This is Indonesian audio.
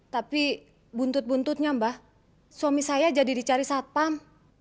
tapi buntut buntutnya mbah suami saya jadi dicari satpam